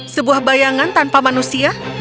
sebuah bayangan tanpa manusia